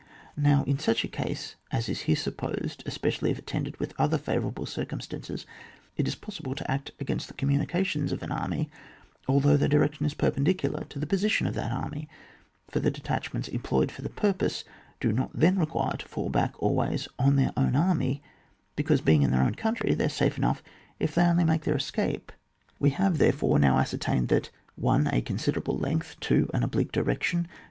Now in such a case as is here supposed, especially if attended with other favour able circumstances, it is possible to act against the communications of an army, although their direction is perpendicular to the position of that army ; for the de tachments employed for the purpose do not then require to fall back always on their own army, because being in their own country they are safe enough if they only make their escape. We have, therefore, now ascertained that^ 1. A considerable length, 2. An oblique direction, 3.